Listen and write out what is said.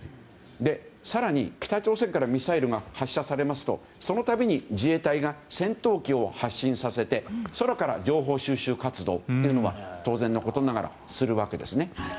更に、北朝鮮からミサイルが発射されますとその度に自衛隊が戦闘機を発進させて空からの情報収集活動は当然ながらするわけですね。